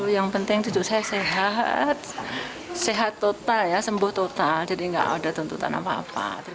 yang penting cucu saya sehat sehat total ya sembuh total jadi nggak ada tuntutan apa apa